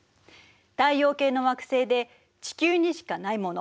太陽系の惑星で地球にしかないもの